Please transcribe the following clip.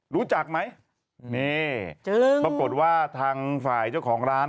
รู้จักไหมนี่ปรากฏว่าทางฝ่ายเจ้าของร้าน